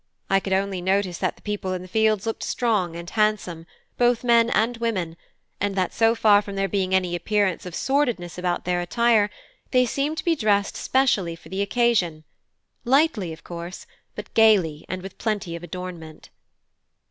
I could only notice that the people in the fields looked strong and handsome, both men and women, and that so far from there being any appearance of sordidness about their attire, they seemed to be dressed specially for the occasion, lightly, of course, but gaily and with plenty of adornment.